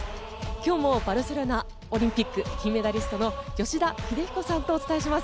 今日もバルセロナオリンピック金メダリストの吉田秀彦さんとお伝えします。